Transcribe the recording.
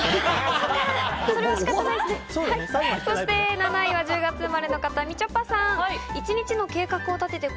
７位は１０月生まれの方、みちょぱさん。